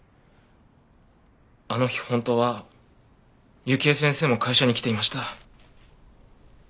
あの日本当は雪絵先生も会社に来ていました。